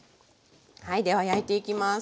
はいでは焼いていきます。